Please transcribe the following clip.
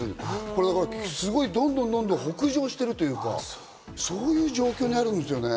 これからどんどん北上していくというか、そういう状況になるんですよね。